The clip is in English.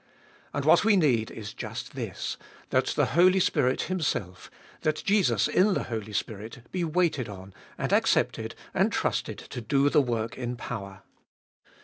And what we need is just this, that the Holy Spirit Himself, that Jesus in the Holy Spirit, be waited on, and accepted, and trusted to do the work in power.